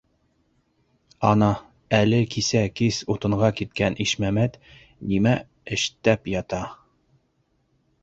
Ана әле кисә кис утынға киткән Ишмәмәт нимә эштәп ята...